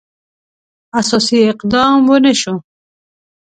اساسي اقدام ونه شو.